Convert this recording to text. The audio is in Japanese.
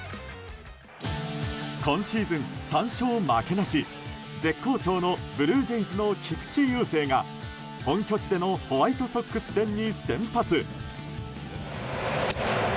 今シーズン３勝負けなし絶好調のブルージェイズの菊池雄星が本拠地でのホワイトソックス戦に先発。